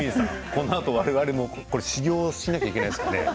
このあと我々も修行をしなくちゃいけないですかね。